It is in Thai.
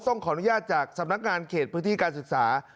ขออนุญาตจากสำนักงานเขตพื้นที่การศึกษา